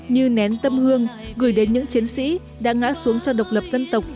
như nén tâm hương gửi đến những chiến sĩ đã ngã xuống cho độc lập dân tộc